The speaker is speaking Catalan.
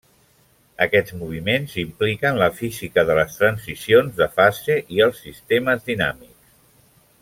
Aquests moviments impliquen la física de les transicions de fase i els sistemes dinàmics.